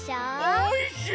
おいしい！